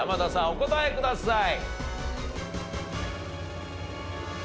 お答えください。